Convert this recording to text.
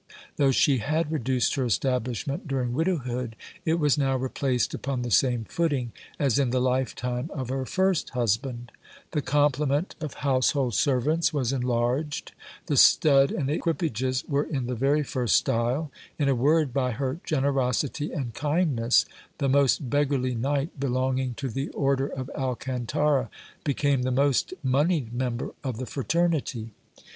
Though she had reduced her establishment during widowhood, it was now replaced upon the same footing as in the lifetime of her first husband ; the complement of house hold servants was enlarged, the stud and equipages were in the very first style ; in a word, by her generosity and kindness, the most beggarly knight belonging to the order of Alcantara became the most monied member of the fraternity.